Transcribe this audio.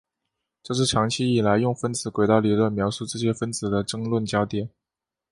这是长期以来用分子轨道理论描述这些分子的争论焦点。